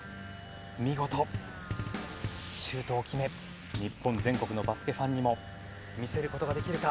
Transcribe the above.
見事シュートを決め日本全国のバスケファンにも見せる事ができるか？